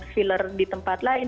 filler di tempat lain